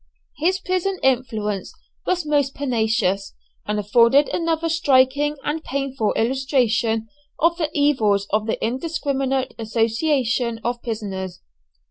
His prison influence was most pernicious, and afforded another striking and painful illustration of the evils of indiscriminate association of prisoners.